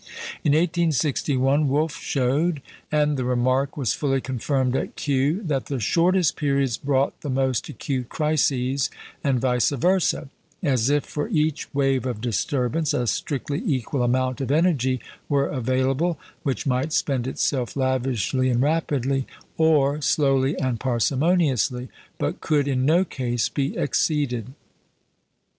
In 1861 Wolf showed, and the remark was fully confirmed at Kew, that the shortest periods brought the most acute crises, and vice versâ; as if for each wave of disturbance a strictly equal amount of energy were available, which might spend itself lavishly and rapidly, or slowly and parsimoniously, but could in no case be exceeded.